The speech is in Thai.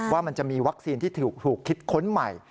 ว่ามันจะมีวัคซีนที่ถูกคิดค้นใหม่